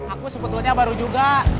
aku sebetulnya baru juga